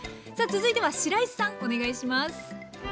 さあ続いてはしらいさんお願いします！